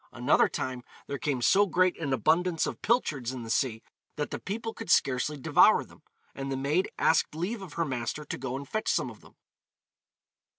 Another time there came so great an abundance of pilchards in the sea, that the people could scarcely devour them, and the maid asked leave of her master to go and fetch some of them.